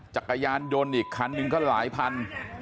จักรยานยนต์อีกคันหนึ่งก็หลายพัน